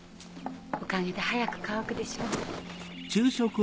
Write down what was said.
おかげで早く乾くでしょう。